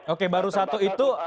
oke baru satu itu